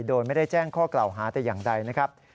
โดยไม่ได้แจ้งข้อกล่าวหาแต่อย่างใดนะครับ